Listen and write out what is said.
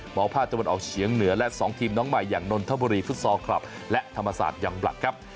หมอภาคตะวันออกเฉียงเหนือและ๒ทีมน้องใหม่อย่างนนทบุรีฟุตซอลคลับและธรรมศาสตร์อย่างบลัดครับ